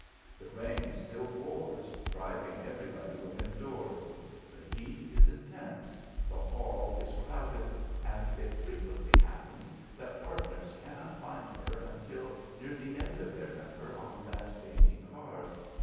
The rain still pours, driving everybody within doors. The heat is intense. The hall is crowded, and it frequently happens that partners cannot find her until near the end of their number on that dainty card.